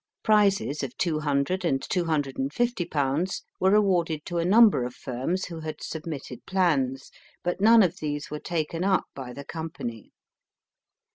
Prizes of two hundred and two hundred and fifty pounds were awarded to a number of firms who had submitted plans, but none of these were taken up by the Company.